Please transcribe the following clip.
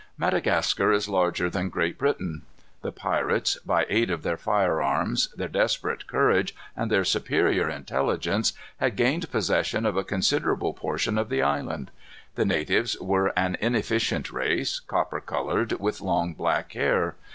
Madagascar is larger than Great Britain. The pirates, by aid of their firearms, their desperate courage, and their superior intelligence, had gained possession of a considerable portion of the island. The natives were an inefficient race, copper colored, with long, black hair.